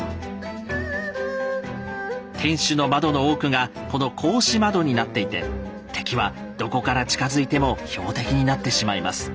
天守の窓の多くがこの格子窓になっていて敵はどこから近づいても標的になってしまいます。